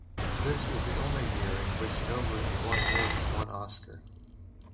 This is the only year in which no movie won more than one Oscar.